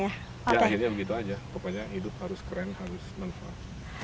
ya akhirnya begitu aja pokoknya hidup harus keren harus manfaat